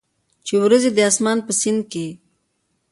چې اوریځي د اسمان په سیند کې،